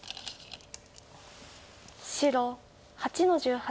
白８の十八。